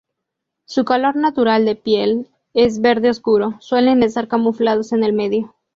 Su color natural de piel es verde oscuro, suelen estar camuflados en el medio.